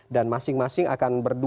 dan masing masing akan berdiri